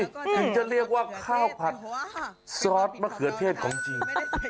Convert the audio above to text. ถึงจะเรียกว่าข้าวผัดซอสมะเขือเทศของจริง